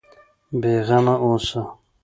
بېغمه اوسه.